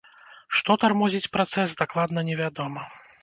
Што тармозіць працэс, дакладна невядома.